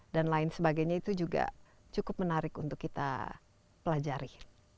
dan lain sebagainya gitu juga cukup menarik untuk kita pelajari